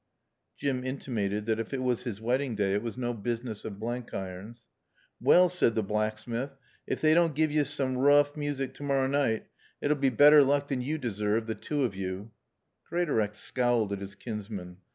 Jim intimated that if it was his wedding day it was no business of Blenkiron's. "Wall," said the blacksmith, "ef they dawn't gie yo' soom roough music to morra night, it'll bae better loock than yo' desarve t' two o' yo'." Greatorex scowled at his kinsman.